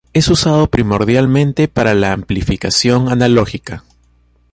Es usado primordialmente para la amplificación analógica.